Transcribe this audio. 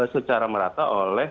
secara merata oleh